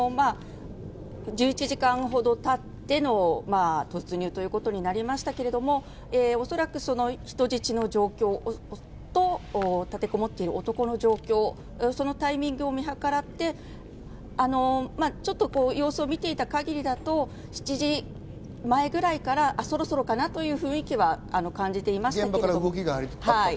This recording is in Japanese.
１１時間ほどたっての突入ということになりましたけれども、おそらく人質の状況と立てこもっている男の状況、そのタイミングを見計らって、ちょっと様子を見ていた限りだと、７時前ぐらいから、そろそろかなという雰囲気は感じていました。